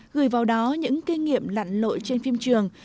gửi vào đó những kinh nghiệm lặn lội trên phim trường